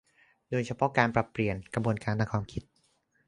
โดยเฉพาะการปรับเปลี่ยนกระบวนการทางความคิด